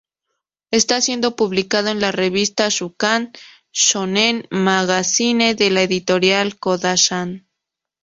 Está siendo publicado en la revista Shūkan Shōnen Magazine de la editorial Kōdansha.